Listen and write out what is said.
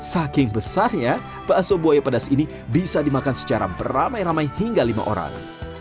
saking besarnya bakso buaya pedas ini bisa dimakan secara beramai ramai hingga lima orang